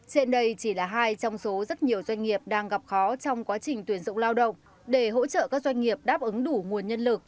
trên đây chỉ là hai trong số rất nhiều doanh nghiệp đang gặp khó trong quá trình tuyển dụng lao động để hỗ trợ các doanh nghiệp đáp ứng đủ nguồn nhân lực